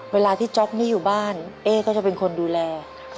เวลาที่จ๊อปไม่อยู่บ้านเอ๊ก็จะเป็นคนดูแล